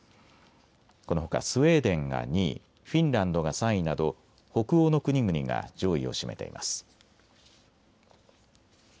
このほかスウェーデンが２位、フィンランドが３位など北欧の国々が上位を占めています。